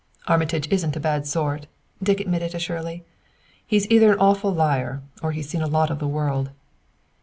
"Armitage isn't a bad sort," Dick admitted to Shirley. "He's either an awful liar, or he's seen a lot of the world."